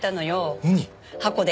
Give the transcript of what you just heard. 箱で。